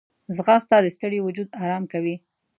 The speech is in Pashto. ځغاسته د ستړي وجود آرام کوي